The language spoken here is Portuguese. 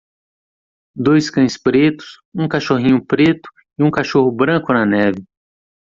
Dois cães pretos? um cachorrinho preto? e um cachorro branco na neve.